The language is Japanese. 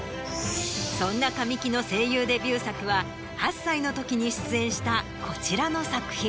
そんな神木の声優デビュー作は８歳の時に出演したこちらの作品。